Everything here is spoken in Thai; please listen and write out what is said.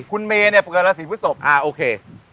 คุณเมย์เนี่ยเพราะเกิดราชีพฤทธิ์ศพอ่าโอเค